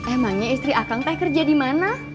emangnya istri akang teh kerja di mana